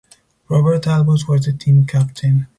Robert Albus was the team captain.